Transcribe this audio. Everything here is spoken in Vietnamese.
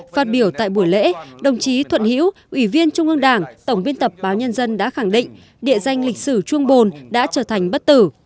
phát biểu tại buổi lễ đồng chí thuận hữu ủy viên trung ương đảng tổng biên tập báo nhân dân đã khẳng định địa danh lịch sử chuông bồn đã trở thành bất tử